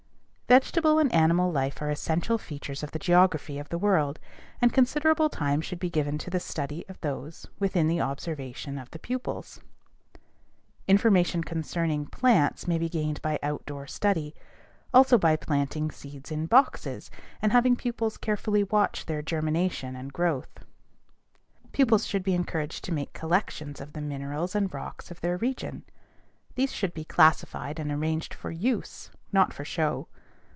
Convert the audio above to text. Vegetable and animal life are essential features of the geography of the world, and considerable time should be given to the study of those within the observation of the pupils. Information concerning plants may be gained by outdoor study; also by planting seeds in boxes and having pupils carefully watch their germination and growth. Pupils should be encouraged to make collections of the minerals and rocks of their region. These should be classified and arranged for use, not for show.